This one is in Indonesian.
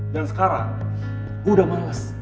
dan sekarang gue udah males